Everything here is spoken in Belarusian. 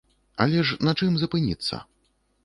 Але ж на чым запыніцца?